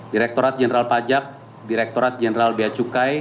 direktorat jenderal pajak direktorat jenderal biaya cukai